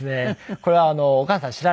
これはお母さん知らないですね